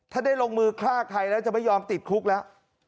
ถ้าได้ลงมือฆ่าใครแล้วจะไม่ยอมติดคุกแล้ว